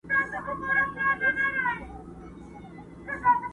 انصاف نه دی چي و نه ستایو دا امن مو وطن کي،